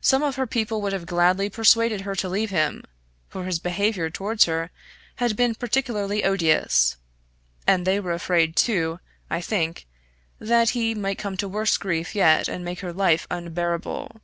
Some of her people would have gladly persuaded her to leave him, for his behaviour towards her had been particularly odious, and they were afraid, too, I think, that he might come to worse grief yet and make her life unbearable.